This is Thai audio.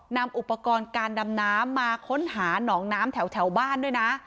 นำอุปกรณ์การดำน้ำมาค้นหาหนองน้ำแถวบ้านด้วยนะ